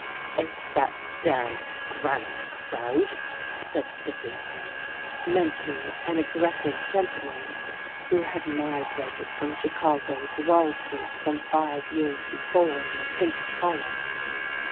"It's that damned Grannis crowd," said Dickinson, mentioning an aggressive gentleman who had migrated from Chicago to Wall Street some five years before in a pink collar.